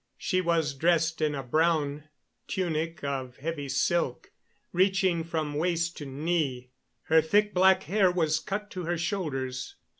She was dressed in a brown tunic of heavy silk, reaching from waist to knee. Her thick black hair was cut to her shoulders.